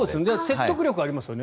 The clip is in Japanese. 説得力がありますよね。